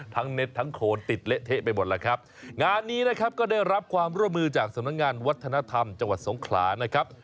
เน็ตทั้งโคนติดเละเทะไปหมดแล้วครับงานนี้นะครับก็ได้รับความร่วมมือจากสำนักงานวัฒนธรรมจังหวัดสงขลานะครับ